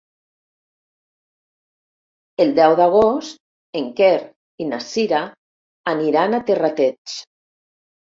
El deu d'agost en Quer i na Sira aniran a Terrateig.